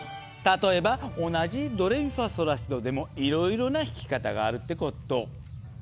例えば同じ「ドレミファソラシド」でもいろいろな弾き方があるってこと。